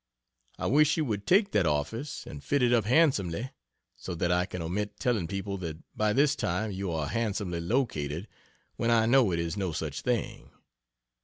I wish you would take that office, and fit it up handsomely, so that I can omit telling people that by this time you are handsomely located, when I know it is no such thing.